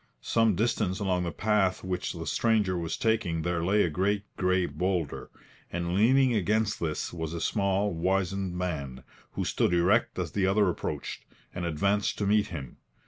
Some distance along the path which the stranger was taking there lay a great grey boulder, and leaning against this was a small, wizened man, who stood erect as the other approached, and advanced to meet him.